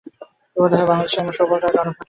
বোধ হয় বাংলাদেশে এমন সৌভাগ্য আর কারো ঘটে না।